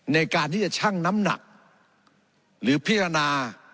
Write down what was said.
ในการที่จะชั่งน้ำหนักหรือพิจารณา